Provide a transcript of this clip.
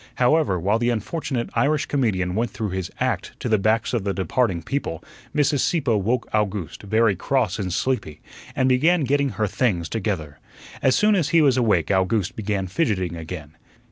However, while the unfortunate Irish comedian went through his "act" to the backs of the departing people, Mrs. Sieppe woke Owgooste, very cross and sleepy, and began getting her "things together." As soon as he was awake Owgooste began fidgeting again.